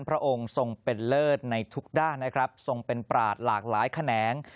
พระองค์ทรงเป็นเลิศในทุกด้านนะครับทรงเป็นปราศหลากหลายแขนง